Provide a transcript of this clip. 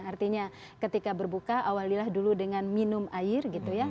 artinya ketika berbuka awalilah dulu dengan minum air gitu ya